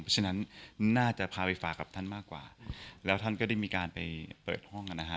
เพราะฉะนั้นน่าจะพาไปฝากกับท่านมากกว่าแล้วท่านก็ได้มีการไปเปิดห้องกันนะฮะ